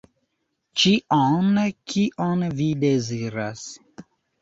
Ĉion, kion vi deziras.